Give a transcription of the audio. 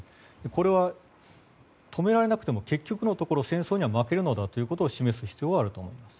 これは、止められなくても結局のところ戦争には負けるのだということを示す必要があると思います。